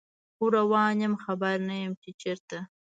خو روان یم خبر نه یمه چې چیرته